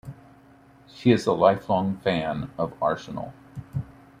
She is a lifelong fan of Arsenal.